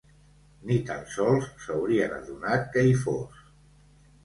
Ni tant sols s'haurien adonat que hi fos.